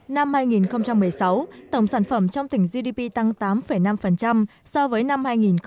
năm hai nghìn một mươi sáu tổng sản phẩm trong tỉnh gdp tăng tám năm so với năm hai nghìn một mươi bảy